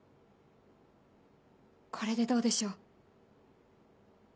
これでどうでしょう。